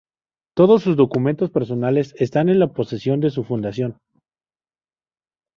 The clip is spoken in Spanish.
Todos sus documentos personales están en la posesión de su fundación.